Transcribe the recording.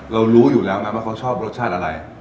รู้อยู่แล้วไงว่าเขาชอบรสชาติอะไร